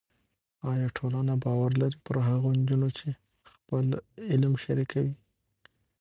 ایا ټولنه باور لري پر هغو نجونو چې خپل علم شریکوي؟